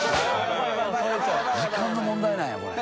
時間の問題なんやこれ。